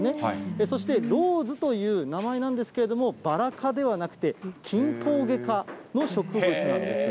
そしてローズという名前なんですけれども、バラ科ではなくて、キンポウゲ科の植物なんですよ。